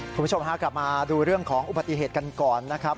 คุณผู้ชมฮะกลับมาดูเรื่องของอุบัติเหตุกันก่อนนะครับ